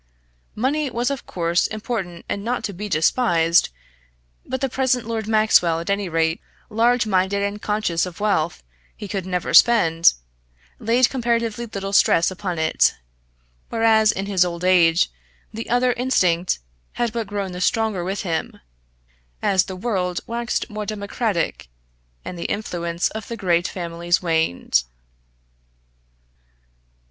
Money was of course important and not to be despised, but the present Lord Maxwell, at any rate, large minded and conscious of wealth he could never spend, laid comparatively little stress upon it; whereas, in his old age, the other instinct had but grown the stronger with him, as the world waxed more democratic, and the influence of the great families waned.